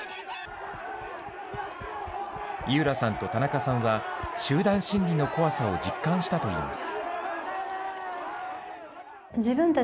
井浦さんと田中さんは集団心理の怖さを実感したといいます。